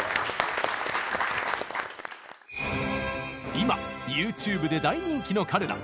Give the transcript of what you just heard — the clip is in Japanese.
今ＹｏｕＴｕｂｅで大人気の彼ら。